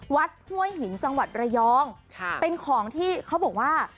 ห้วยหินจังหวัดระยองค่ะเป็นของที่เขาบอกว่า